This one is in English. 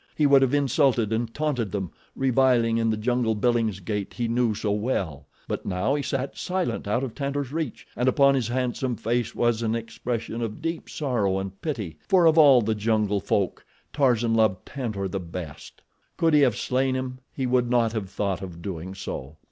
He would have insulted and taunted them, reviling in the jungle Billingsgate he knew so well; but now he sat silent out of Tantor's reach and upon his handsome face was an expression of deep sorrow and pity, for of all the jungle folk Tarzan loved Tantor the best. Could he have slain him he would not have thought of doing so.